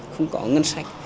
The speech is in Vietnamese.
không có ngân sách